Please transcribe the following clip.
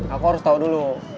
aku harus tau dulu